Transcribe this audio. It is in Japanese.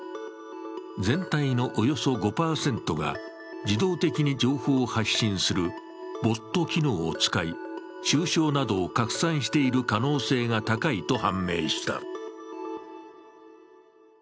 全体のおよそ５％が自動的に情報を発信するボット機能を使い、中傷などを拡散している可能性が高いと判明した。